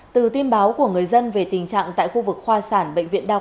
từ tin báo của người dân về tình trạng tại khu vực khoa sản bệnh viện đà nẵng